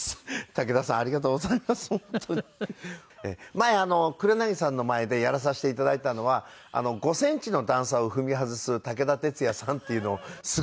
前黒柳さんの前でやらさせて頂いたのは５センチの段差を踏み外す武田鉄矢さんっていうのをすごく喜んで頂いた。